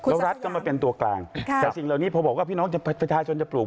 แล้วรัฐก็มาเป็นตัวกลางแต่สิ่งเหล่านี้พอบอกว่าพี่น้องประชาชนจะปลูก